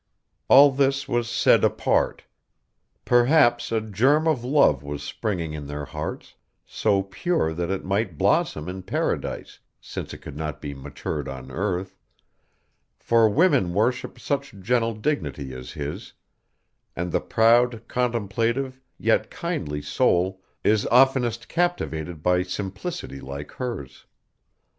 All this was said apart. Perhaps a germ of love was springing in their hearts, so pure that it might blossom in Paradise, since it could not be matured on earth; for women worship such gentle dignity as his; and the proud, contemplative, yet kindly soul is oftenest captivated by simplicity like hers.